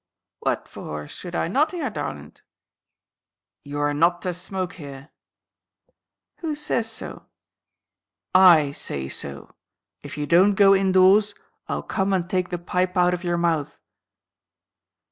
"What for should I not hear, darlint?" "You are not to smoke here!" "Who says so?" "I say so. If you don't go indoors, I 'll come and take the pipe out of your mouth."